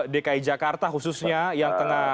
dki jakarta khususnya yang